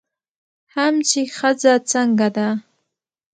هم چې ښځه څنګه ده